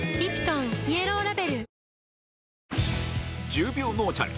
１０秒脳チャレ